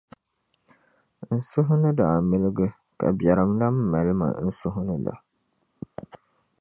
N suhu ni daa miligi ka biɛrim lan mali ma n suhu ni la.